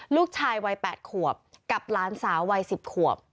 ลูกชายวัย๘ขวบกับหลานสาววัย๑๐ขวบ